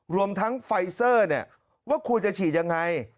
รวมทั้งไฟเซอร์เนี่ยว่าควรจะฉีดยังไง